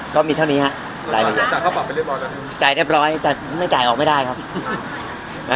ก็มีเท่านี้ฮะ